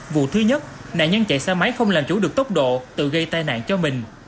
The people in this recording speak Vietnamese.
vụ thứ nhất nạn nhân chạy xe máy không làm chủ được tốc độ tự gây tai nạn cho mình